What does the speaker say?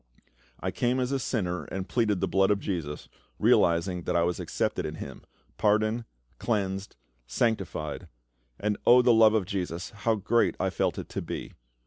I came as a sinner and pleaded the blood of JESUS, realising that I was accepted in Him pardoned, cleansed, sanctified and oh the love of JESUS, how great I felt it to be!